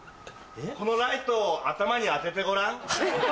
このライトを頭に当ててごらん。